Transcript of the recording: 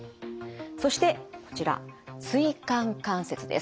そしてこちら椎間関節です。